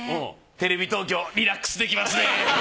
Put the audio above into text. テレビ東京リラックスできますね。